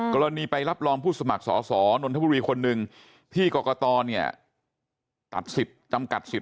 กรณีไปรับรองผู้สมัครสอสอนนทบุรีคนนึงที่กรกฎจำกัดสิทธิ์